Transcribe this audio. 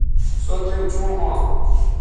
سو تیوں چوں ھواں